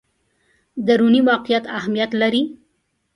دروني واقعیت اهمیت لري.